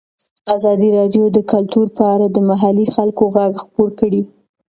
ازادي راډیو د کلتور په اړه د محلي خلکو غږ خپور کړی.